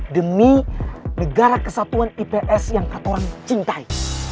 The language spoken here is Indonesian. demi negara kesatuan ips yang ketoran cintai